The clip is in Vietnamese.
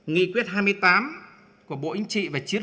nghị quyết hai mươi tám của bộ chính trị và chính trị